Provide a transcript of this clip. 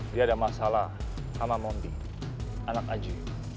dia ada masalah sama mondi anak aji